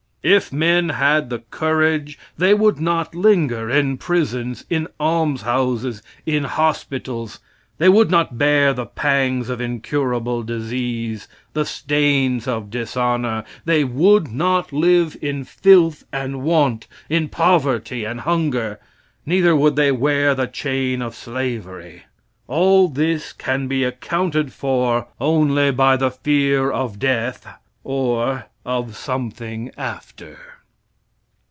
If men had the courage they would not linger in prisons, in almshouses, in hospitals, they would not bear the pangs of incurable disease, the stains of dishonor, they would not live in filth and want, in poverty and hunger, neither would they wear the chain of slavery. All this can be accounted for only by the fear of death or "of something after."